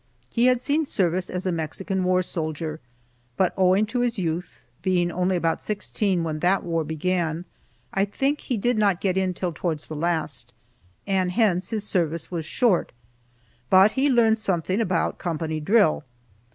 He had seen service as a Mexican war soldier, but owing to his youth, being only about sixteen when that war began, I think he did not get in till towards the last, and hence his service was short. But he learned something about company drill.